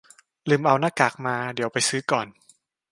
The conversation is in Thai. ลืมเอาหน้ากากมา เดี๋ยวไปซื้อก่อน